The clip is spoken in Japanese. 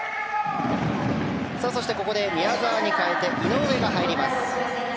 そして、宮澤に代えて井上が入ります。